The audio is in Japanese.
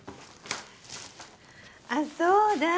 あそうだ！